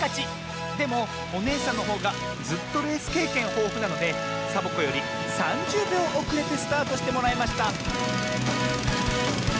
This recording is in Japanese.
でもおねえさんのほうがずっとレースけいけんほうふなのでサボ子より３０びょうおくれてスタートしてもらいました